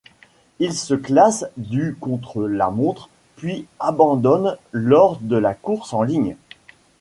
Il se classe du contre-la-montre, puis abandonne lors de la course en ligne.